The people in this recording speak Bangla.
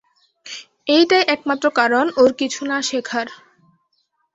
এইটাই একমাত্র কারণ ওর কিছু না শেখার।